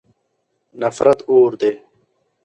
نفرت اور دی.